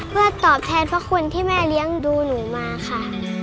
เพื่อตอบแทนพระคุณที่แม่เลี้ยงดูหนูมาค่ะ